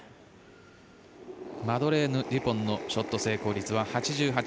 マドレーヌ・デュポンのショット成功率は８８％。